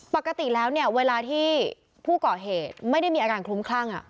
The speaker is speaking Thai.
ปกติแล้วเนี่ยเวลาที่ผู้ก่อเหตุไม่ได้มีอาการคลุ้มคลั่ง